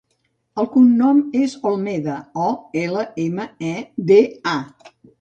El cognom és Olmeda: o, ela, ema, e, de, a.